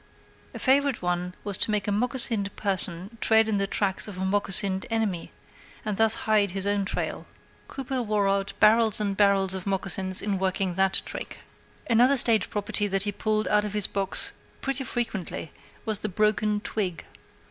A favorite one was to make a moccasined person tread in the tracks of the moccasined enemy, and thus hide his own trail. Cooper wore out barrels and barrels of moccasins in working that trick. Another stage property that he pulled out of his box pretty frequently was his broken twig.